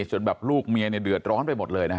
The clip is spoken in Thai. จนแบบลูกเมียเนี่ยเดือดร้อนไปหมดเลยนะฮะ